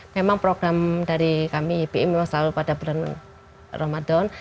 memang program dari kami bi memang selalu pada bulan ramadan